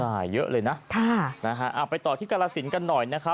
ใช่เยอะเลยนะไปต่อที่กรสินกันหน่อยนะครับ